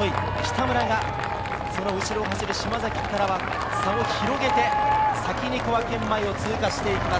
先ほどの４位争い、北村がその後ろを走る島崎からは差を広げて、先に小涌園前を通過していきます。